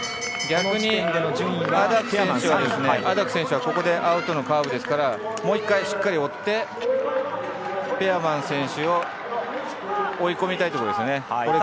逆にアダク選手は、ここでアウトのカーブですから、もう１回しっかり追ってペアマン選手を追い込みたいところですね。